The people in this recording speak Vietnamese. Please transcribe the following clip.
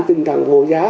tinh thần vô giá